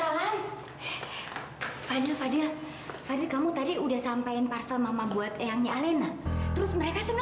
lagian kamu ngapain sih datang ke rumah aku